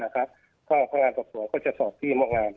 พระงานต่อป่วยก็จะสอบที่โมงอาร์ม